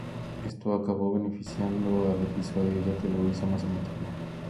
Esto acabó beneficiando al episodio, ya que lo hizo más emotivo.